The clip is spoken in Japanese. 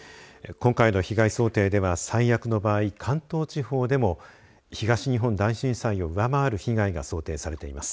今回の被害想定では、最悪の場合関東地方でも東日本大震災を上回る被害が想定されています。